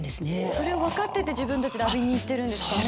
それを分かってて自分たちで浴びにいってるんですかね。